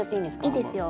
いいですよ